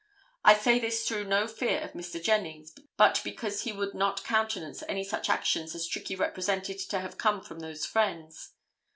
I say this through no fear of Mr. Jennings, but because he would not countenance any such actions as Trickey represented to have come from those friends.